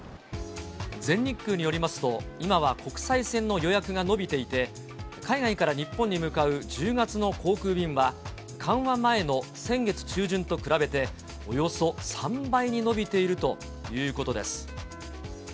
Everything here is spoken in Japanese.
全日空によりますと、今は国際線の予約が伸びていて、海外から日本に向かう１０月の航空便は、緩和前の先月中旬と比べて、およそ３倍に伸びているということです。